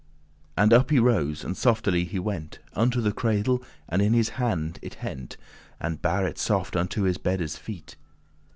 And up he rose, and softely he went Unto the cradle, and in his hand it hent*, *took And bare it soft unto his beddes feet.